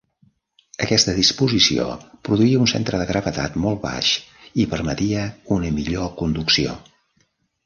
Aquesta disposició produïa un centre de gravetat molt baix i permetia una millor conducció.